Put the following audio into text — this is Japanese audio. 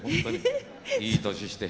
いい年して。